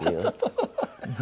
ハハハハ！